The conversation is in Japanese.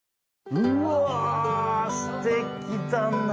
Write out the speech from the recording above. うわぁすてきだな。